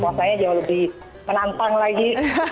puasanya jauh lebih menantang lagi